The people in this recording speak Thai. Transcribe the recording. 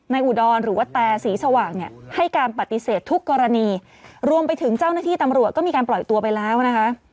อุดรหรือว่าแตสีสว่างเนี่ยให้การปฏิเสธทุกกรณีรวมไปถึงเจ้าหน้าที่ตำรวจก็มีการปล่อยตัวไปแล้วนะคะ